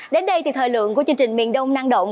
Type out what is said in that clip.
đến đây thì thời lượng của chương trình miền đông năng động